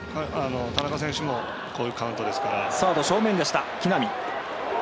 田中選手もこういうカウント。